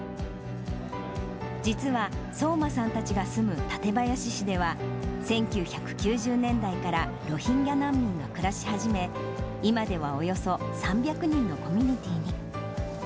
実は、聡真さんたちが住む館林市では、１９９０年代からロヒンギャ難民が暮らし始め、今ではおよそ３００人のコミュニティーに。